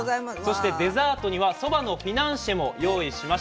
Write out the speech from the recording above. そしてデザートにはそばのフィナンシェも用意しました。